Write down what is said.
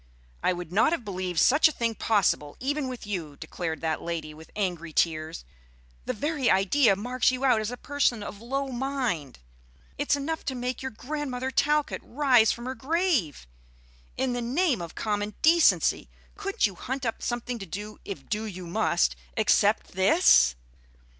"I would not have believed such a thing possible even with you," declared that lady with angry tears. "The very idea marks you out as a person of low mind. It's enough to make your Grandmother Talcott rise from her grave! In the name of common decency, couldn't you hunt up something to do, if do you must, except this?"